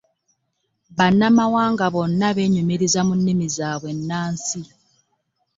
Bannamawanga bonna beenyumiriza mu nnimi zaabwe ennansi